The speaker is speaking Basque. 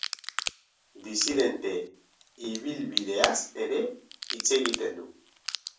Disidente ibilbideaz ere hitz egiten du.